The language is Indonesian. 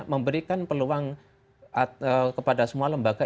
memberikan peluang kepada semua lembaga